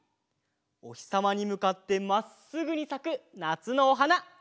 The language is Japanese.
おひさまにむかってまっすぐにさくなつのおはな。